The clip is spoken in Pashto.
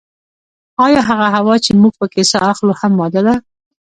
ایا هغه هوا چې موږ پکې ساه اخلو هم ماده ده